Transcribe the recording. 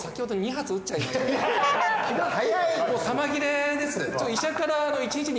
弾切れです。